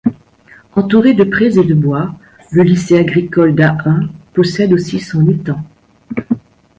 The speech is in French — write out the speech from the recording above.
Entouré de prés et de bois, le lycée agricole d'Ahun, possède aussi son étang.